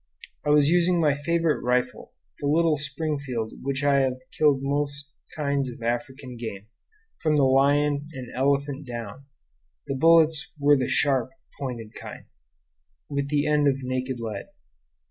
I was using my favorite rifle, the little Springfield with which I have killed most kinds of African game, from the lion and elephant down; the bullets were the sharp, pointed kind, with the end of naked lead.